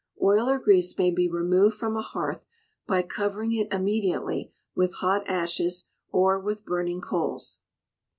Oil or Grease may be removed from a hearth by covering it immediately with hot ashes, or with burning coals.